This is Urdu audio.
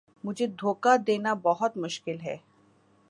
مجھے دھوکا دینا بہت مشکل ہے